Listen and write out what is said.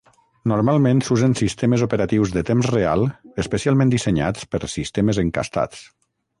Normalment s'usen Sistemes Operatius de Temps Real especialment dissenyats per sistemes encastats.